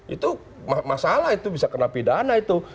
itu masalah itu bisa kena pidana itu